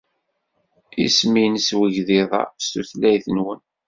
Isem-nnes wegḍiḍ-a s tutlayt-nwen?